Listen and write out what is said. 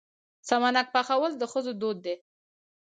سمنک پخول د ښځو دود دی.